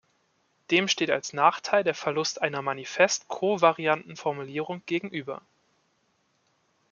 Dem steht als Nachteil der Verlust einer manifest kovarianten Formulierung gegenüber.